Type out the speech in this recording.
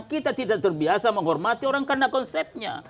kita tidak terbiasa menghormati orang karena konsepnya